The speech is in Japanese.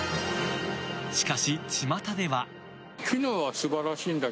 しかし、ちまたでは。